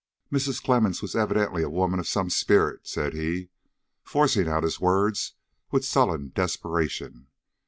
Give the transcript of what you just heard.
"Mrs. Clemmens was evidently a woman of some spirit," said he, forcing out his words with sullen desperation.